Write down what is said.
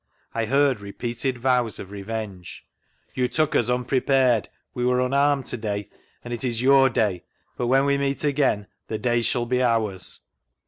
I heard repeated vows of revenge. " You took us un prepared, we were unanned to day, and it is your day; but when we meet again the day shall be ours."